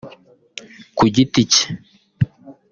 Ku giti cye